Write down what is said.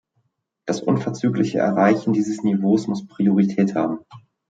Das unverzügliche Erreichen dieses Niveaus muss Priorität haben.